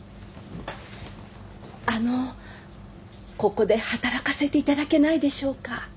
あのここで働かせていただけないでしょうか。